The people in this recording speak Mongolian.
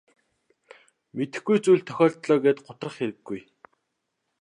Мэдэхгүй зүйл тохиолдлоо гээд гутрах хэрэггүй.